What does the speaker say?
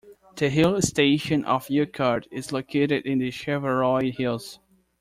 The hill station of Yercaud is located in the Shevaroy Hills.